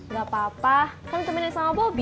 gak apa apa kan temenin sama bobby